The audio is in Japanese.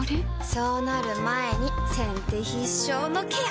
そうなる前に先手必勝のケア！